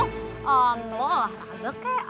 lo olahraga kek